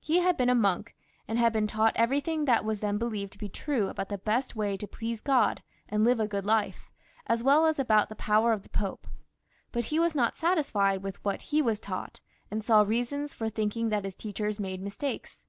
He had been a monk, and had been taught everything that was then believed to be true about the best way to please God and live a good life, as weU as about the power of the Pope ; but he was not satisfied with what he was taught, and saw reasons for thinking that his teachers made mistakes.